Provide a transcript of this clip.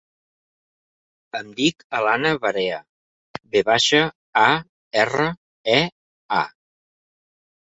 Em dic Alana Varea: ve baixa, a, erra, e, a.